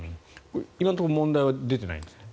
今のところ問題は出ていないんですね。